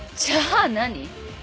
じゃあ何？